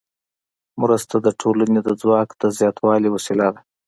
مرسته د ټولنې د ځواک د زیاتوالي وسیله ده.